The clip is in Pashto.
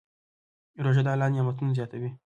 روژه د الله نعمتونه زیاتوي.